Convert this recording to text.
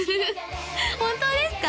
本当ですか？